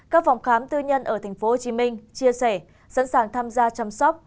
các phòng khám tư nhân ở tp hcm chia sẻ sẵn sàng tham gia chăm sóc